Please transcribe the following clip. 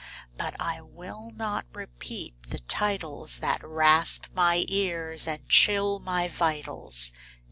But I will not repeat the titles That rasp my ears and chill my vitals.